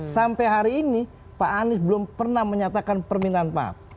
sampai hari ini pak anies belum pernah menyatakan permintaan maaf